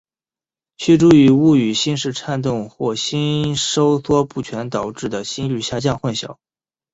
须注意勿与心室颤动或心收缩不全导致的心率下降混淆。